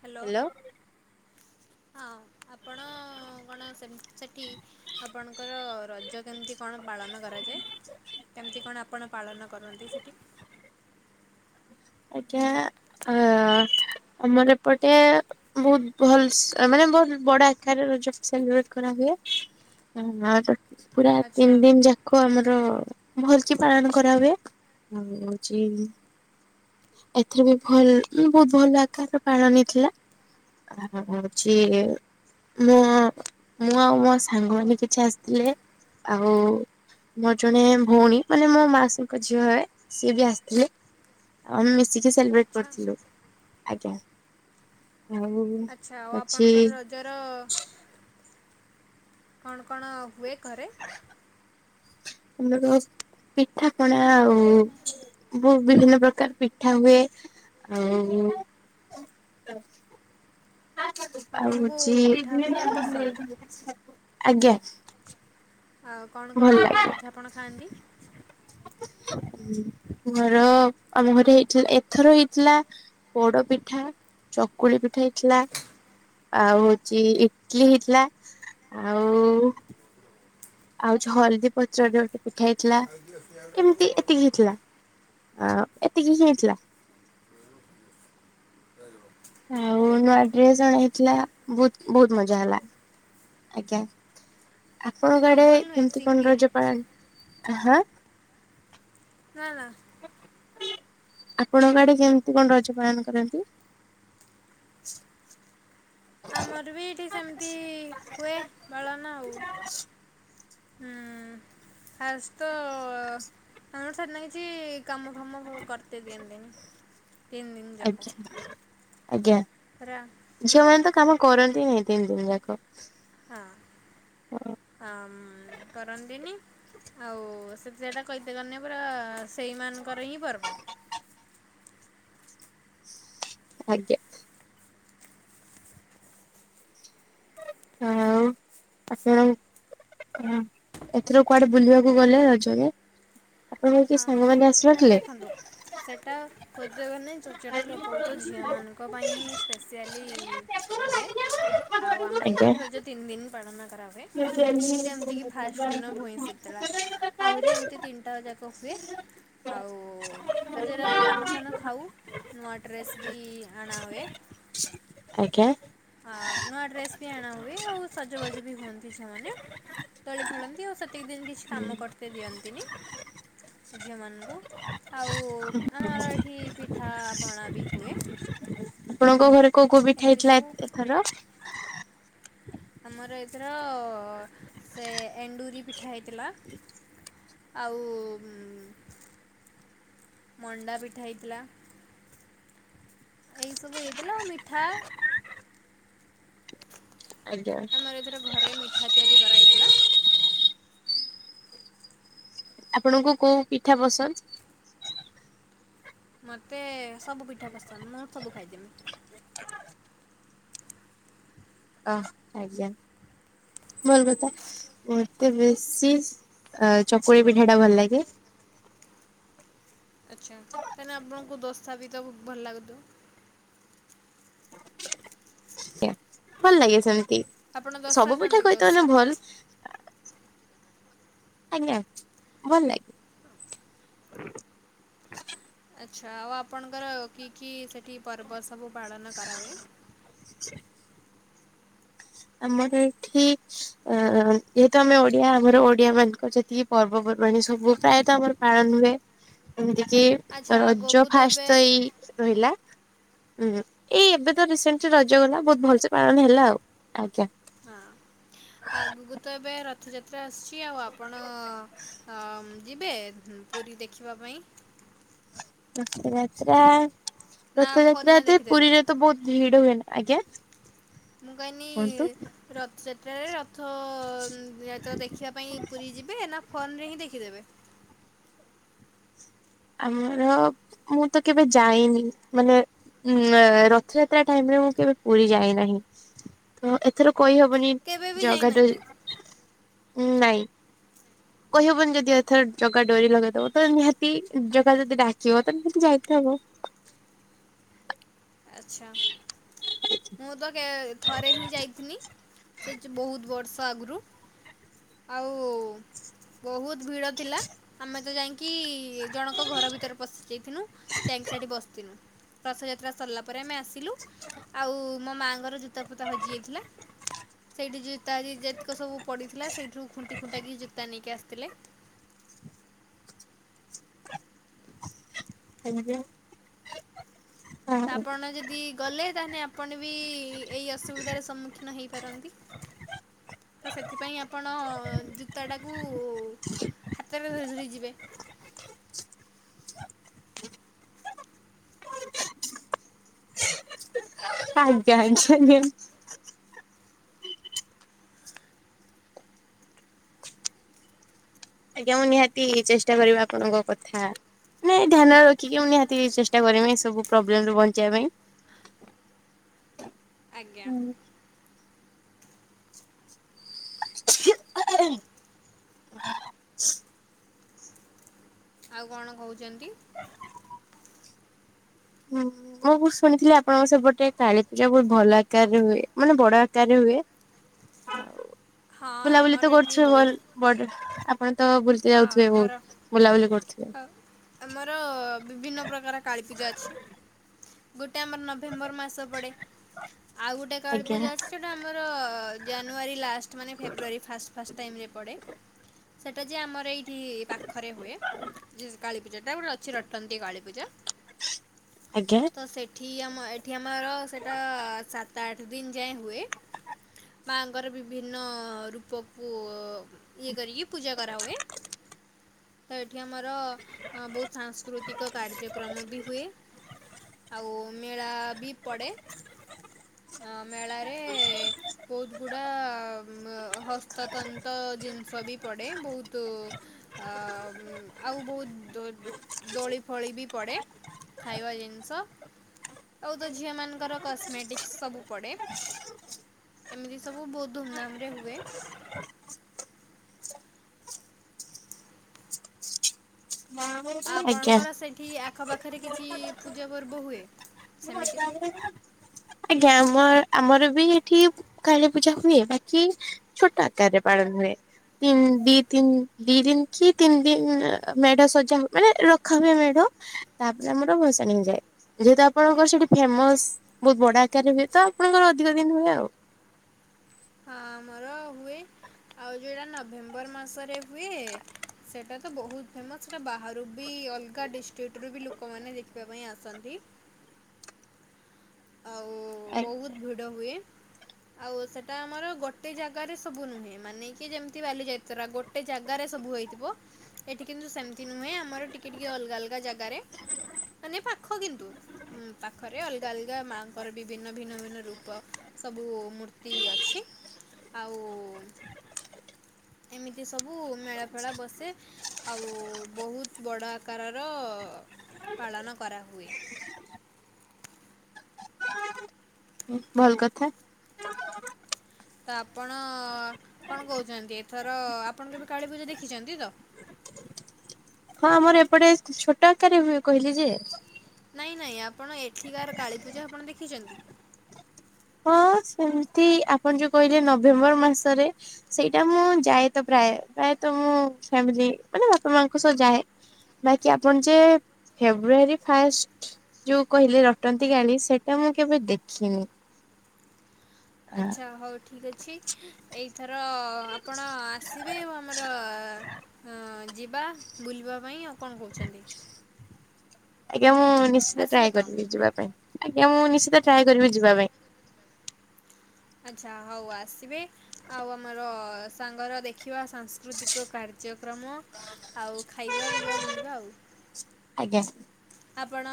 Hello ହଁ ଆପଣ କଣ ସେମ୍ତି ସେଠି ଆପଣଙ୍କର ରଜ କେମିତି କଣ ପାଳନ କରାଯାଏ? କେମିତି କଣ ଆପଣ ପାଳନ କରନ୍ତି ସେଠି? ଆଜ୍ଞା ଆ ଆମର ଏପଟେ ବୋହୁତ୍ ଭଲସେ ମାନେ ବୋହୁତ୍ ବଡ଼ ଆକାର ରଜ ସେଲିବ୍ରେଟ୍ କରା ହୁଏ। ହ ହାପା ପୁରା ଆଚ୍ଛା ତିନି ଦିନ୍ ଯା କୁ ଆମର ଭଲ କି ପାଳନ କରା ହୁଏ ଆଉ ହଉଛି ଏଥିରେ ବି ଭଲ ବହୁତ ଭଲ ଆକାରରେ ପାଳନ ହେଇଥିଲା। ଆ ହୋଉଚି ମୁଁ ମୁଁ ଆଉ ମୋ ସାଙ୍ଗମାନେ କିଛି ଆସିଥିଲେ। ଆଉ ମୋର ଜଣେ ଭଉଣୀ ମାନେ ମୋ ମାସିଙ୍କ ଝିଅ ହେ ସିଏ ବି ଆସିଥିଲେ। ଆମ୍ ମିଶିକି ସେଲିବ୍ରେଟ୍ ଆଚ୍ଛା କରିଥିଲୁ ଆଜ୍ଞା। ଆଉ ଅଛି। ଜର କଣ କଣ ହୁଏ ଘରେ? ଆମ ରସ୍ ପିଠା ପଣା ଆଉ ଭ ବିଭିନ୍ନ ପ୍ରକାର ପିଠା ହୁଏ। ଆଉ ଆଉ ଆପଣଙ୍କୁ ହଉଚି ପିଠା ଫିଠା ପସନ୍ଦ ଆଜ୍ଞା। ଆଉ କଣ ଭଲ କଣ ଲାଗେ ପିଠା ପଣ ଖାଆନ୍ତି। ଘର ଆମର ହେଇଥି ଏଥର ହେଇଥିଲା ପୋଡ଼ପିଠା ଚକୁଳି ପିଠା ହେଇଥିଲା। ଆଉ ହୋଉଚି ଇଟଲି ହେଇଥିଲା ଆଉ ଆଉ ଯୋଉ ହଳଦୀ ପଚର ଗୋଟେ ପିଠା ହେଇଥିଲା କେମିତି ଏତିକି ହେଇଥିଲା। ଆଉ ଏତିକି ହିଁ ହେଇଥିଲା। [unintelligible] ଆଉ ନୂଆ ଡ୍ରେସ ଅଣା ହେଇଥିଲା ବୋହୁତ ବୋହୁତ ମଜା ହେଲା ଆଜ୍ଞା। ଆପଣଙ୍କ ଆଡ଼େ ଡବଲ୍ ନୁହେଁ କେମିତି କଣ ସିଙ୍ଗିଲ୍ ରଜ ପାଳନ୍ ହାଁ ହାଁ ହାଁ। ଆପଣଙ୍କ ଆଡ଼େ କେମିତି କଣ ରଜ ପାଳନ କରନ୍ତି? ଆମର ବି ଏଇଠି ସେମିତି ହୁଏ ବଳନ ଆଉ। ହଁ ଫାସ୍ ତ ଆମର ସାର ନା କିଛି କାମ ଫାମ [inaudible] କରତେ ଦିଅନ୍ତିନି ତିନ ଦିନ ଯାକ। ଆଜ୍ଞା ଆଜ୍ଞା ପୁରା ହଁ ଝିଅ ମାନେ ତ କାମ କରନ୍ତି ନାଇଁ ତିନି ଦିନି ଯାକ। ହଁ ହଁ ମ କରନ୍ତିନି ଆଉ ସେ ସେଇଟା କହିତେ କରିନି ପୁରା ସେଇମାନଙ୍କର ହିଁ ପର୍ବ। ଆଜ୍ଞା। ଆଉ ଆପଣ ହଁ ଏଥର କୁଆଡେ ବୁଲିବାକୁ ଗଲେ ରଜରେ ଆପଣ ହୋଉଚି ସାଙ୍ଗମାନେ। ନାଇଁ ଆସିନଥିଲେ? ଦେଖନ୍ତୁ। ସେଇଟା ଖୋଦେବ ନାହିଁ ଚର୍ଚଟା କେବଳ ତ ଝିଅମାନଙ୍କ ପାଇଁ ହିଁ ସ୍ପେସିଆଲି ହୁଏ ଆଉ ଆମର ବିଟ ଆଜ୍ଞା ହଉଛ ତିନି ଦିନ ପାଳନ କରା ଯେମିତି କି ଫାଷ୍ଟ ଦିନ ଭଇଁସତଥିଲା ଆହୁରି ଏମିତି ତିନିଟା ଯାକ ହୁଏ। ଆଉ ତା ଯରୋ ଆମେ ପାନ ଫାନ ଖାଉ। ନୂଆ ଡ୍ରେସ ବି ଆନା ହୁଏ। ଆଜ୍ଞା। ହଁ ନୂଆ ଡ୍ରେସ ବି ଆଣା ହୁଏ ଆଉ ସଜବଜ ବି ହୁଅ ଦି ଝିଅ ମାନେ ଦୋଳି ଖୋଳନ୍ତି ଆଉ ସେତିକି ଦିନ କିଛି କାମ କରି ତ ଦିଅନ୍ତିନି ଝିଅମାନଙ୍କୁ ଆଉ ଆମର ଏଠି ପିଠାପଣା ବି ହୁଏ। ଆପଣଙ୍କ ଘରେ କୋଉ କୋଊ ପିଠା ଏମିତି ହେଇଥିଲା ସବୁ ଏ ଏଥର। ଆମର ଏଥିର ସେ ଏଣ୍ଡୁରି ପିଠା ହେଇଥିଲା। ଆଉ। ମଣ୍ଡା ପିଠା ହେଇଥିଲା। ଏଇ ସବୁ ହେଇଥିଲା ଆ ମିଠା ଆଜ୍ଞା ଆମର ଏଥର ଘରେ ମିଠା ତିଆରି କରାହେଇଥିଲା। ଆପଣଙ୍କୁ କୋଉ ପିଠା ପସନ୍ଦ? ମତେ ସବୁ ପିଠା ପସନ୍ଦ ମୁଁ ସବୁ ଖାଇଦେମି। ଅ ଆଜ୍ଞା। ଭଲ କଥା ମତେ ବେଶୀ ଚକୁଳି ପିନ୍ଠା ଟା ଭଲ ଲାଗେ। ଆଚ୍ଛା କାହିଁକିନା ଆପଣଙ୍କୁ ଦଶା ବି ତ ଭଲ ଲାଗୁଥିବ। ଆ ଭଲ ଲାଗେ ସେମିତି ଆପଣ ଦୋସା ସବୁ ପିଠା ଖାଆନ୍ତି ଦୋସା? କହିଥାନେ ଭଲ ଆଜ୍ଞା ଭଲ ଲାଗେ। [inaudible] ଆଚ୍ଛା ଆଉ ଆପଣଙ୍କର କି କି ସେଠି ପର୍ବ ସବୁ ପାଳନ କରାହୁଏ। [inaudible] ଆମର ଏଠିକ ଆ ଏତ ଆମେ ଓଡିଆ ଆମର ଓଡିଆ ମାନଙ୍କର ଯେତିକି ପର୍ବପର୍ବାଣୀ ସବୁ ପ୍ରାୟତଃ ଆମର। ପାଳନ ହୁଏ ଏମିତି କିି ଆଚ୍ଛା ରଜ ଆଗକୁ ତ ଏବେ ଫାଷ୍ଟ ଏଇ ରହିଲାଁ ଏଇ ଏବେ ତ ରିସେଣ୍ଟ ରଜ ଗଲା ବହୁତ ଭଲସେ ପାଳନ ହେଲା ଆଉ ଆଜା। ହଁ ଆଗକୁ ତ ଏବେ ରଥଯାତ୍ରା ଆସୁଛି ଆଉ ଆପଣ ଅ ଯିବେ ପୁରୀ ଦେଖିବା ପାଇଁ। ରଥଯାତ୍ରା ନା ରଥଯାତ୍ରା ଫୋନରେ ଯେ ଦେଖିଦେବେ ପୁରୀରେ ତ ବହୁତ ଭିଡ ହୁଏ ନା ଆଜ୍ଞା। ମୁଁ କଇନି କୁହନ୍ତୁ ରଥ ସେତାରେ ରଥତେଳେ ଦେଖିବା ପାଇଁ ପୁରୀ ଯିବେ ନା ଫୋନ ରେ ହିଁ ଦେଖିଦେବେ? ଆମର ମୁଁ ତ କେବେ ଯାଇନି ମାନେ ଉଁ ରଥଯାତ୍ରା ଟାଇମରେ ମୁଁ କେବେ ପୁରୀ ଯାଇନାହିଁ ମୁଁ ଏତେ ଏଥର କହି ହବନି କେବେ ବି ଜାଗା ଡୋ ଯାଇନାହାନ୍ତି ନାଇଁ କହି ହବନି ଯଦି ଏଥର ଜଗା ଡୋରି ଲଗେଇଦବ ତ ନିହାତି ଜାଗା ଯଦି ଡ଼ାକିବ ତାଲେ ଯାଇତେହବ। ଆଚ୍ଛା ମୁଁ ତ କେ ଥରେ ହିଁ ଯାଇଥିଲି ସେ ଯେ ବହୁତ ବର୍ଷ ଆଗରୁ। ଆଉ ବହୁତ ଭିଡ ଥିଲା ଆମେ ତ ଯାଇ କି ଜଣଙ୍କ ଘର ଭିତରେ ପଶି ଯାଇଥିନୁ ଚାଇଙ୍କ ସାଠି ବସିଥିନୁ ରଥଯ ସେତଟା ସଲା ପରେ ଆମେ ଆସିଲୁ। [unintelligible] ଆଉ ମୋ ମାଆଙ୍କର ଜୁତା ଫୁତା ହଜି ଯାଇଥିଲା। ସେଇଠି ଜୋତା ଆଜି ଯେତିକ ସବୁ ପଡ଼ିଥିଲା ସେଇଠୁ ଖୁଣ୍ଟି ଖୁଣ୍ଟା କିି ଜୋତା ନେଇକି ଆସିଥିଲେ। [unintelligible] ଆପଣ ଯଦି ଗଲେ ତାହେଲେ ଆପଣ ବି ଏହି ଅସୁବିଧାର ସମ୍ମୁଖୀନ ହେଇପାରନ୍ତି। ତ ସେଥିପାଇଁ ଆପଣ ଜୁତାଟାକୁ ହାତରେ ଧରି ଧରି ଯିବେ। ଆଜ୍ଞା ଆଜ୍ଞା ଆଜ୍ଞା। ଆଜ୍ଞା ମୁଁ ନିହାତି ଚେଷ୍ଟା କରିବି ଆପଣଙ୍କ କଥା। ନାଇଁ ଧ୍ୟାନରେ ରଖିକି ମୁଁ ନିହାତି ଚେଷ୍ଟା କରମି ଏ ସବୁ ପ୍ରୋବଲେମରୁ ବଞ୍ଚିବା ପାଇଁ। ଆଜ୍ଞା। ହୁଁ [unintelligible] ଆଉ କଣ କହୁଛନ୍ତି। ହୁଁ ହୁଁ। ମୁଁ ଶୁଣିଥିଲି ଆପଣଙ୍କ ସେପଟେ କାଳୀ ପୂଜା ବହୁତ ଭଲ ଆକାରରେ ହୁଏ ମାନେ ବଡ ଆକାରରେ ହୁଏ। ହଁ ବୁଲାବୁଲି ତ ଆମର ଏଠି କରୁଥିବେ ବହୁତ ବଡ ଆପଣ ତ ବୁଲତେ ହଁ ଯାଉଥିବେ ଆମର ବହୁତ ବୁଲାବୁଲି କରୁଥିବେ। ଅ ଆମର ବିଭିନ୍ନ ପ୍ରକାର କାଳୀପୂଜା ଅଛି। ଗୋଟେ ଆମର ନଭେମ୍ବର ମାସ ପଡ଼େ ଆଉ ଗୋଟେ ଆଜ୍ଞା କାଳୀପୂଜା ସେଇଟା ଆମର ଜାନୁଆରୀ ଲାଷ୍ଟ ମାନେ ଫେବୃଆରୀ ଫାଷ୍ଟ ଫାଷ୍ଟ ଟାଇମ୍ ରେ ପଡ଼େ। ସେଟା ଯେ ଆମର ଏଇଠି ପାଖରେ ହୁଏ। ଯି କାଳୀପୂଜାଟା ଗୋଟେ ଅଛି ରଟନ୍ତି କାଳୀପୂଜା। ଆଜ୍ଞା। ତ ସେଇଠି ଆମ ଏଠି ଆମର ସେଇଟା ସାତ ଆଠ ଦିନ ଯାଏଁ ହୁଏ। ମାଙ୍କର ବିଭିନ୍ନ ରୂପକୁ ଇଏ କରିକି ପୂଜା କରାହୁଏ। ତ ଏଠି ଆମର ବହୁତ ସାଂସ୍କୃତିକ କାର୍ଯ୍ୟକ୍ରମ ବି ହୁଏ। ଆଉ ମେଳା ବି ପଡେ। ହ ମେଳାରେ ବହୁତ ଗୁଡ଼ା ହସ୍ତତନ୍ତ ଜିନିଷ ବି ପଡ଼େ ବହୁତ। ଅ ଆଉ ବହୁତ ଦୋ ଦୋଳି ଫଳି ବି ପଡେ ଖାଇବା ଜିନିଷ ଆଉ ତ ଝିଅ ମଙ୍କର କସ୍ମେଟିକ ସବୁ ପଡ଼େ। ଏମିତି ସବୁ ବହୁତ ଧୁମଧାମ ରେ ହୁଏ। [unintelligible] ଆ ଆଜ୍ଞା ଆପଣଙ୍କର ସେଇଠି ଆଖପାଖରେ କିଛି ପୂଜା ପର୍ବ ହୁଏ। ସେମିତି? [unintelligible] ଆଜ୍ଞା ଆମ ଆମର ବି ଏଠି କାଳୀ ପୂଜା ହୁଏ ବାକି ଛୋଟ ଆକାରରେ ପାଳନ ହୁଏ। ତିନ ଦି ତିନି ଦି ଦିନ କି ତିନି ଦିନ ମେଢ ସଜା ହ ମାନେ ରଖା ହୁଏ ମେଢ। ତାପରେ ଆମର ଭସାଣ ହେଇଯାଏ ଯେହେତୁ ଆପଣଙ୍କର ସେଠି ଫେମସ ବହୁତ ବଡ ଆକାରରେ ହୁଏ ତ ଆପଣଙ୍କର ଅଧିକ ଦିନ ହୁଏ ଆଉ। ହଁ ଆମର ହୁଏ ଆଉ ଯଉଁଟା ନଭେମ୍ବର ମାସରେ ହୁଏ ସେଇଟା ତ ବହୁତ ଫେମସ୍ ସେଇଟା ବାହାରୁ ବି ଅଲଗା ଡିଷ୍ଟ୍ରିକ୍ଟରୁୁ ବି ଲୁକମାନେ ଦେଖିବା ପାଇଁ ଆସନ୍ତି। ଆଉ ବହୁତ ଭିଡ଼ ହୁଏ। ଆଉ ସେଟା ଆମର ଗୋଟେ ଜାଗାରେ ସବୁ ନୁହେଁ ମାନେ କି ଯେମିତି ବାଲିଯାତ୍ରା ଗୋ ଟେ ଜାଗାରେ ସବୁ ହେଇଥିବ। ଏଠି କିନ୍ତୁ ସେମିତି ନୁହେଁ ଆମର ଟିକେ ଟିକେ ଅଲଗା ଅଲଗା ଜାଗାରେ। ମାନେ ପାଖ କିନ୍ତୁ। ହୁଁ ପାଖରେ ଅଲଗା ଅଲଗା ଗା ମାଆଙ୍କର ବି ଭିନ୍ନ ଭିନ୍ନ ଭିନ୍ନ ରୂପ ସବୁ ମୂର୍ତ୍ତି ଅଛି। ଆଉ ଏମିତି ସବୁ ମେଳା ଫେଳା ବସେ। ଆଉ ବହୁତ ବଡ଼ ଆକାରର ପାଳନ କରାହୁଏ। ଉଁ ଭଲ କଥା। ତ ଆପଣ କଣ କହୁଚନ୍ତି? ଏଥର ଆପଣ କେବେ କାଳୀପୂଜା ଦେଖିଚନ୍ତି ତ? ହଁ ଆମର ଏପଟେ ଛୋଟ ଆକାରରେ ହୁଏ କହିଲି ଯେ। ନାଇଁ ନାଇଁ ଆପଣ ଏଠିକାର କାଳୀପୂଜା ଆପଣ ଦେଖିଚନ୍ତି? ହଁ ସେମିତି ଆପଣ ଯୋଉ କହିଲେ ନଭେମ୍ବର ମାସରେ ସେଇଟା ମୁଁ ଯାଇ ତ ପ୍ରାୟ ପ୍ରାୟତ ମୁଁ ଫାମିଲି ମାନେ ବାପା, ମାଙ୍କ ସହ ଯାଏ। ବାକିି ଆପଣ ଯେ ଫେବ୍ରୁଆରୀ ଫାଷ୍ଟ ଯୋଉ କହିଲେ ରଟନ୍ତି ଗାଳି ସେଇଟା ମୁଁ କେବେ ଦେଖିନି। ଆଚ୍ଛା ହଉ ଠିକ୍ ଅଛି। ଏଇଥର ଆପଣ ଆସିବେ ଆଉ ଆମର ଅ ଯିବା। ବୁଲିବା ପାଇଁ ଆଉ କଣ କହୁଚନ୍ତି? ଆଜ୍ଞା ମୁଁ ନିଶ୍ଚିତ ଆସିବେ ଟ୍ରାଏ ତ କରିବି ଯିବା ପାଇଁ। ଆଜ୍ଞା ମୁଁ ନିଶ୍ଚିତ ଟ୍ରାଏ କରିବି ଯିବା ପାଇଁ। ଆଚ୍ଛା ହଉ ଆସିବେ। ଆଉ ଆମର ସାଙ୍ଗର ଦେଖିବା ସାଂସ୍କୃତିକ କାର୍ଯ୍ୟକ୍ରମ। ଆଉ ଖାଇବା, ପିଇବା, ବୁଲିବା ଆଉ। ଆଜ୍ଞା। ଆପଣ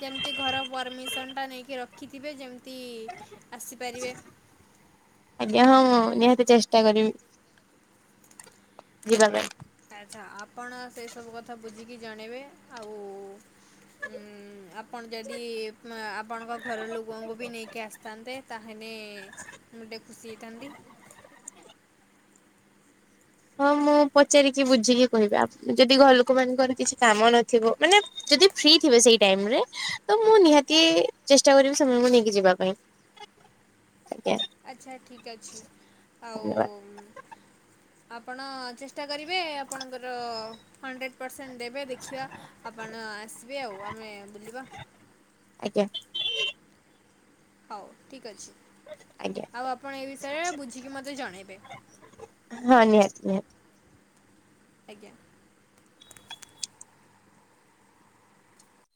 ଯେମିତି ଘର ପରମିସନ୍ଟା ନେଇକି ରଖିଥିବେ ଯେମି ତି ଆସିପାରିବେ। ଆଜ୍ଞା ହଁ ମୁଁ ନିହାତି ଚେଷ୍ଟା କରିବି। ଯିବାପାଇଁ। ଆଚ୍ଛା ଆପଣ ସେ ସବୁ କଥା ବୁଝିକି ଜଣେଇବେ ଆଉ ଉଁ ଆପଣ ଯଦି ଉପମା ଆପଣଙ୍କ ଘର ଲୋକଙ୍କୁ ବି ନେଇକି ଆସିଥାନ୍ତେ ତାହେଲେ ମୁଁ ଟିକେ ଖୁସି ହେଇଥାନ୍ତି। ହଁ ମୁଁ ପଚାରିକି ବୁଝିକି କହିବି। ଆପ ଯଦି ଘର ଲୋକ ମାନଙ୍କର କିଛି କାମ ନଥିବ ମାନେ ଯଦି ଫ୍ରି ଥିବେ ସେଇ ଟାଇମରେ ତ ମୁଁ ନିହାତି ଚେଷ୍ଟା କରିବି ସେମାନଙ୍କୁ ନେଇକି ଯିବା ପାଇଁ। [inaudible] ଆଜ୍ଞା। ଆଚ୍ଛା ଠିକ୍ ଅଛି। ଆଉ ଧନ୍ୟବାଦ ଆପଣ ଚେଷ୍ଟା କରିବେ ଆପଣଙ୍କର ହଣ୍ଡ୍ରେଡ଼୍ ପରସେଣ୍ଟ ଦେବେ ଦେଖିବା ଆପଣ ଆସିବେ ଆଉ ଆମେ ବୁଲିବା। ଆଜ୍ଞା। ହଉ ଠିକ୍ ଅଛି। ଆଜ୍ଞା ଆଉ ଆପଣ ଏ ବିଷୟରେ ବୁଝିକି ମତେ ଜଣେଇବେ। ହଁ ନିହାତି ନିହାତି। ଆଜ୍ଞା।